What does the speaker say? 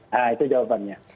nah itu jawabannya